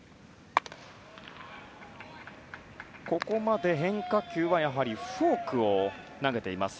ここまで変化球はフォークを投げています。